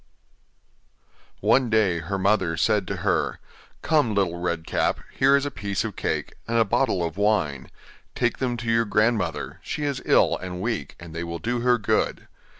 One day her mother said to her: 'Come, Little Red Cap, here is a piece of cake and a bottle of wine; take them to your grandmother, she is ill and weak, and they will do her good.